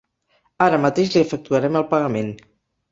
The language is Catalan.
Ara mateix li efectuarem el pagament.